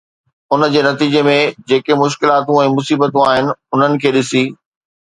ان جي نتيجي ۾ جيڪي مشڪلاتون ۽ مصيبتون آهن، انهن کي ڏسي